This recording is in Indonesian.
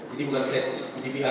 ini bukan flash disk ini dpr nya